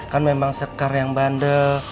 kan memang sekar yang bandel